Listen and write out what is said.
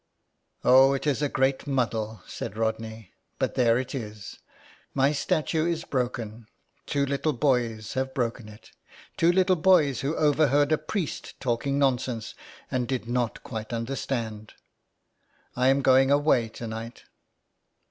" Oh, it is a great muddle," said Rodney. " But there it is. My statue is broken. Two little boys have broken it. Two little boys who overheard a priest talking nonsense, and did not quite understand. I am going away to night."